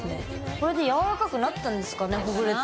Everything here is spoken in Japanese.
これで柔らかくなったんですかねほぐれて。